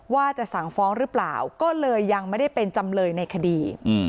ว่าจะสั่งฟ้องหรือเปล่าก็เลยยังไม่ได้เป็นจำเลยในคดี